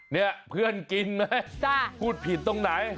เนี่ยเพื่อนกินไหมพูดผิดตรงไหน